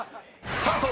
スタート！］